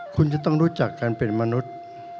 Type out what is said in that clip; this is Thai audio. คุณจะต้องรู้จักการเป็นมนุษย์